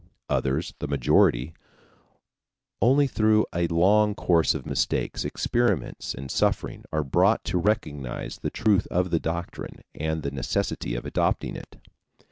Others the majority only through a long course of mistakes, experiments, and suffering are brought to recognize the truth of the doctrine and the necessity of adopting it.